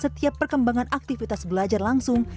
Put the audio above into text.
setiap perkembangan aktivitas belajar langsung